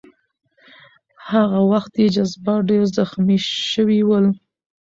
هغه وخت یې جذبات ډېر زخمي شوي ول.